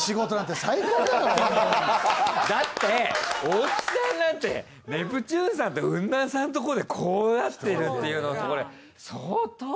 だって大木さんなんてネプチューンさんとウンナンさんとこでこうなってるっていうののとこで。